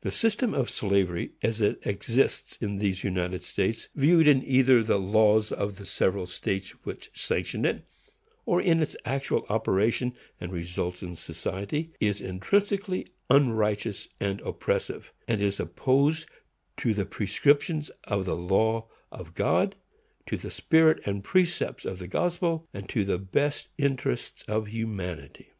The system of slavery, as it exists in these United States, viewed either in the laws of the several states which sanction it, or in its actual operation and results in society, is intrinsically unrighteous and oppressive; and is opposed to the prescriptions of the law of God, to the spirit and precepts of the gospel, and to the best interests of humanity.